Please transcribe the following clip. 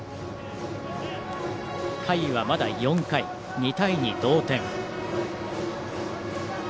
回はまだ４回、２対２、同点。